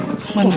umi gempa umi